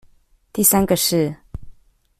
第三個是